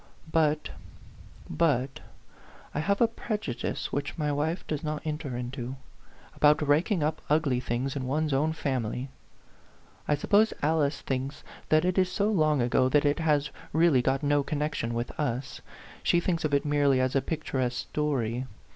" But but I have a prejudice which my wife does not enter into, about raking up ugly things in one's own family. I suppose Alice thinks that it is so long ago that it has really got no connec tion with us; she thinks of it merely as a picturesque story.